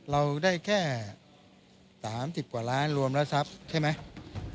เราได้แค่๓๐กว่าล้านรวมแล้วทรัพย์ใช่ไหม